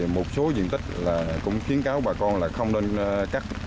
một số diện tích cũng khiến cáo bà con không nên cắt